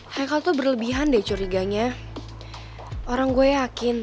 hai kau tuh berlebihan deh curiganya orang gue yakin